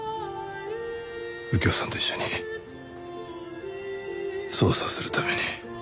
右京さんと一緒に捜査するために。